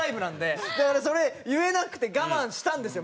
だからそれ言えなくて我慢したんですよ